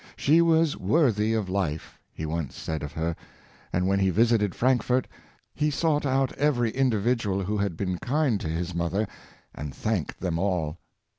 " She was wor thy of life! " he once said of her; and when he visited Frankfort, he sought out every individual who had been kind to his mother, and thanked them all.